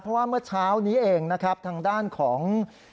เพราะว่าเมื่อเช้านี้เองนะครับทางด้านของ